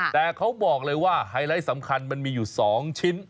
แต่เขาบอกเลยว่าไฮไลท์สำคัญมันมีอยู่๒ชิ้น